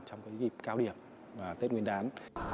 trong dịp cao điểm tết nguyên đán